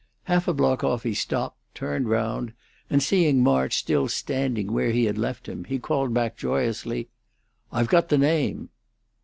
Half a block off he stopped, turned round, and, seeing March still standing where he had left him, he called back, joyously, "I've got the name!"